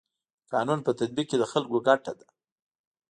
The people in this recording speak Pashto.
د قانون په تطبیق کي د خلکو ګټه ده.